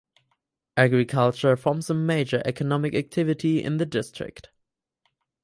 Agriculture forms the major economic activity in the district.